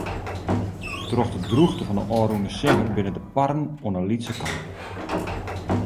Troch de drûchte fan ôfrûne simmer binne de parren oan de lytse kant.